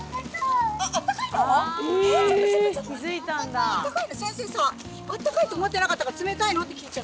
えっ温かいの⁉先生さ温かいと思ってなかったから「冷たいの？」って聞いちゃった。